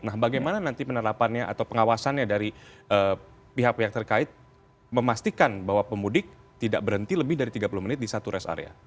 nah bagaimana nanti penerapannya atau pengawasannya dari pihak pihak terkait memastikan bahwa pemudik tidak berhenti lebih dari tiga puluh menit di satu rest area